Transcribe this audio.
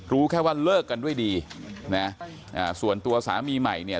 รู้แค่ว่าเลิกกันด้วยดีนะส่วนตัวสามีใหม่เนี่ย